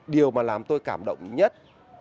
điều mà làm tôi cảm động nhất